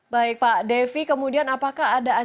baik pak devi kemudian apakah ada ancaman